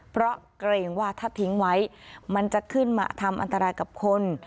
เพราะเกรงว่าถ้าทิ้งไว้มันจะขึ้นมาทำอันตรายกับคน